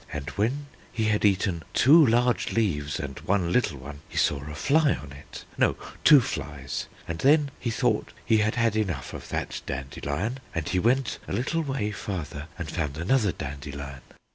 And when he had eaten two large leaves and one little one, he saw a fly on it no, two flies; and then he thought he had had enough of that dandelion, and he went a little farther and found another dandelion...."